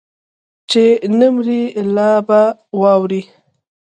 چې نه مرې لا به واورې